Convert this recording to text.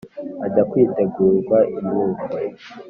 ajya kwitegurwa i bungwe.